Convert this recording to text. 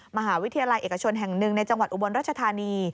มหาวิทยาลัยเอกชนแห่งหนึ่งในจังหวัดอุบลรัชธานี